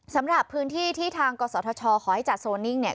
สำหรับพื้นที่ที่ทางกศธชขอให้จัดโซนิ่งเนี่ย